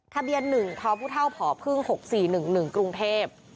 ทะเบียนหนึ่งเท้าผู้เท่าผอพรึ่ง๖๔๑๑กรุงเทพฯ